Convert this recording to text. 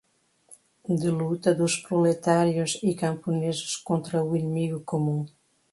de luta dos proletários e camponeses contra o inimigo comum